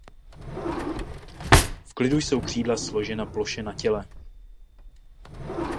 V klidu jsou křídla složena ploše na těle.